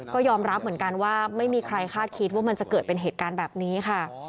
ก็ยอมรับเหมือนกันว่าไม่มีใครคาดคิดว่ามันจะเกิดเป็นเหตุการณ์แบบนี้ค่ะ